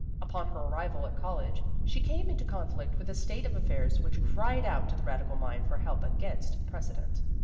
Upon her arrival at college, she came into conflict with a state of affairs which cried out to the radical mind for help against precedent.